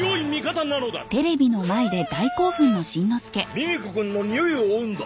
ミミ子くんのにおいを追うんだ！